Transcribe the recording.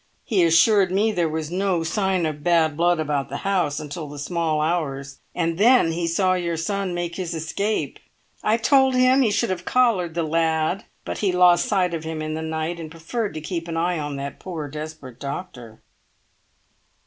He assured me there was no sign of bad blood about the house, until the small hours, and then he saw your son make his escape. I told him he should have collared the lad, but he lost sight of him in the night and preferred to keep an eye on that poor desperate doctor."